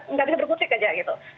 nggak bisa berkutik aja gitu